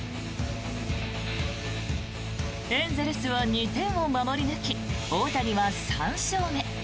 エンゼルスは２点を守り抜き大谷は３勝目。